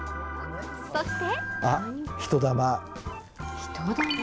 そして。